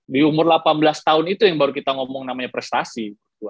di umur delapan belas tahun itu yang baru kita ngomong namanya prestasi